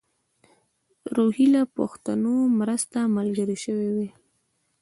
روهیله پښتنو مرسته ملګرې شوې وای.